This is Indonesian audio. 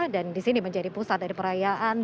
dan di sini menjadi pusat dari perayaan